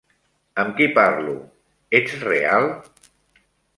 Amb qui parlo? Ets real?